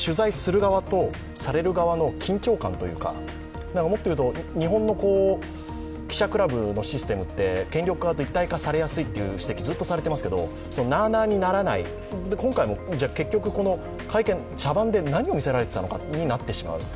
緊張感というか、もっと言うと日本の記者クラブのシステムって権力側と一体化されやすいと言われてきましたがなあなあにならない、今回も会見、茶番で何を見せられていたのかとなってしまう。